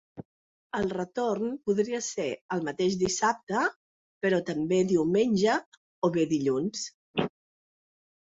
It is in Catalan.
El retorn podria ser el mateix dissabte, però també diumenge o bé dilluns.